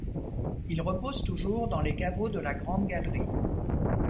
Ils reposent toujours dans les caveaux de la grande galerie.